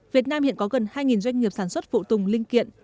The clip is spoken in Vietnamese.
việt nam hiện có gần hai doanh nghiệp sản xuất phụ tùng linh kiện